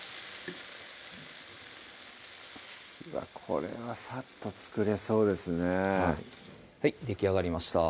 これはさっと作れそうですねぇはいはいできあがりました